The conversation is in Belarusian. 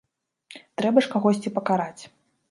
Трэба ж кагосьці пакараць!